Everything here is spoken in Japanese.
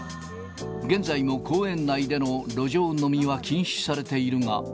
現在も公園内での路上飲みは禁止されているが。